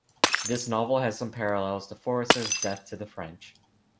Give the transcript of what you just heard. This novel has some parallels to Forester's "Death to the French".